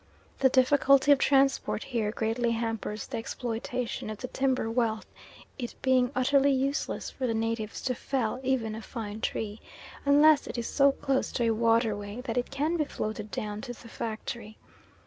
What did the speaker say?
The difficulty of transport here greatly hampers the exploitation of the timber wealth, it being utterly useless for the natives to fell even a fine tree, unless it is so close to a waterway that it can be floated down to the factory.